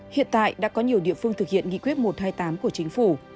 hiện tại đã có nhiều địa phương thực hiện nghị quyết một trăm hai mươi tám của chính phủ